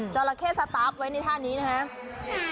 ราเข้สตาร์ฟไว้ในท่านี้นะครับ